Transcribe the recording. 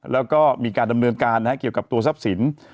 แล้วก็มีการดำเนินการเกี่ยวกับตัวทรัพย์สิน